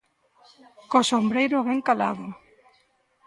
Co sombreiro ben calado.